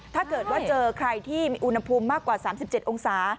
ถ้าเกิดว่าเจอใครที่มีอุณหภูมิมากกว่า๓๗องศา